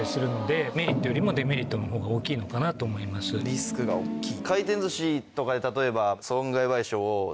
リスクが大っきい。